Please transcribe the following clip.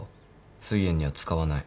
すい炎には使わない。